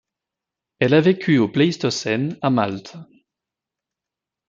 Elle a vécu au Pléistocène à Malte.